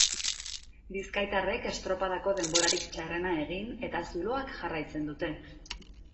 Bizkaitarrek estropadako denborarik txarrena egin eta zuloak jarraitzen dute.